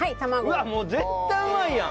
うわっ絶対うまいやん。